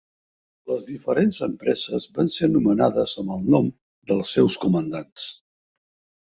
Les diferents empreses van ser anomenades amb el nom dels seus comandants.